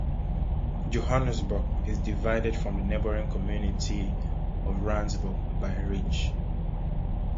Johannesburg is divided from the neighboring community of Randsburg by a ridge.